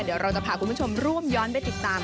เดี๋ยวเราจะพาคุณผู้ชมร่วมย้อนไปติดตาม